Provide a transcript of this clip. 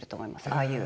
ああいう。